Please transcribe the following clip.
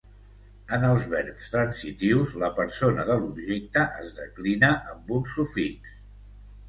En els verbs transitius la persona de l'objecte es declina amb un sufix.